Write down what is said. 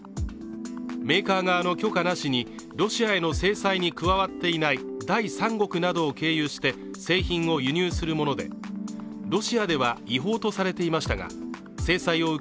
メーカー側の許可なしにロシアへの制裁に加わっていない第三国などを経由して製品を輸入するものでロシアでは違法とされていましたが制裁を受け